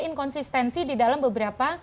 inkonsistensi di dalam beberapa